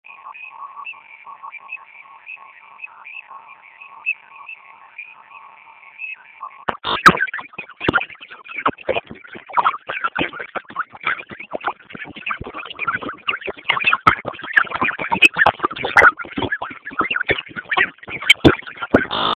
پلان کې ورته ځای ورکړل شوی و.